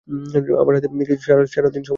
আমার হাতে কি সারা দিন সময় আছে নাকি?